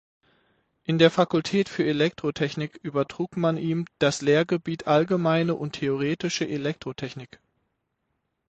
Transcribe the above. In der Fakultät für Elektrotechnik übertrug man ihm das Lehrgebiet allgemeine und theoretische Elektrotechnik.